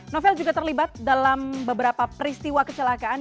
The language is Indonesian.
novel juga terlibat dalam beberapa peristiwa kecelakaan